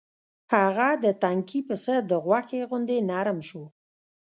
هغه د تنکي پسه د غوښې غوندې نرم شو.